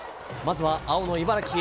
まずは青の茨城。